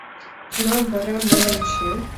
Тунам вара мый ончем.